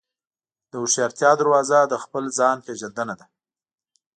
د هوښیارتیا دروازه د خپل ځان پېژندنه ده.